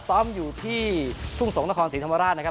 ซ้อมอยู่ที่ทุ่งสงศ์นครศรีธรรมราชนะครับ